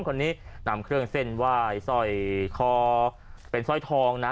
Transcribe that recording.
คนนี้นำเครื่องเส้นไหว้สร้อยคอเป็นสร้อยทองนะ